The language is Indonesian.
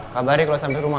kabar kalau sampai rumah